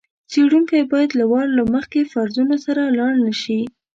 څېړونکی باید له وار له مخکې فرضونو سره لاړ نه شي.